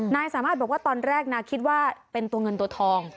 นายสามารถบอกว่าตอนแรกนะคิดว่าเป็นตัวเงินตัวทอง